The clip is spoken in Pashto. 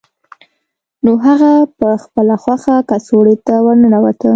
نو هغه په خپله خوښه کڅوړې ته ورننوته